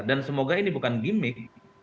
dan semoga ini bukan gimmick